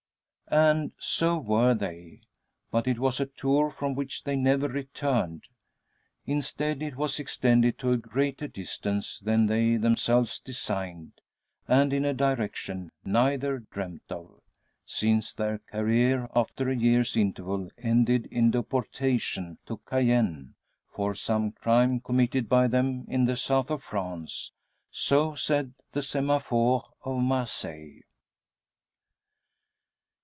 And so were they; but it was a tour from which they never returned. Instead, it was extended to a greater distance than they themselves designed, and in a direction neither dreamt of. Since their career, after a years interval, ended in deportation to Cayenne, for some crime committed by them in the South of France. So said the Semaphore of Marseilles.